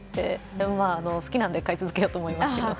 でも、好きなので買い続けようと思いますけど。